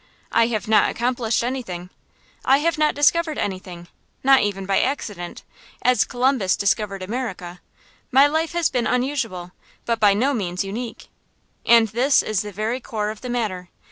I have not accomplished anything, I have not discovered anything, not even by accident, as Columbus discovered America. My life has been unusual, but by no means unique. And this is the very core of the matter.